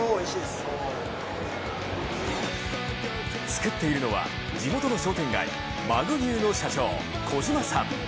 作っているのは地元の商店街、鮪牛の社長小島さん。